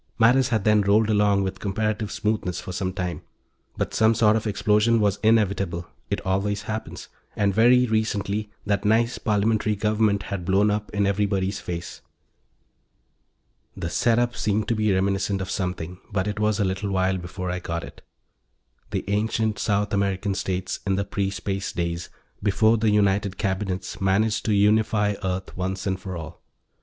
Matters had then rolled along with comparative smoothness for some time. But some sort of explosion was inevitable it always happens and, very recently, that nice Parliamentary government had blown up in everybody's face. The setup seemed to be reminiscent of something, but it was a little while before I got it: the ancient South American states, in the pre Space days, before the United Cabinets managed to unify Earth once and for all.